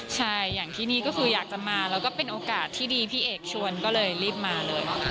ใช่อย่างที่นี่ก็คืออยากจะมาแล้วก็เป็นโอกาสที่ดีพี่เอกชวนก็เลยรีบมาเลย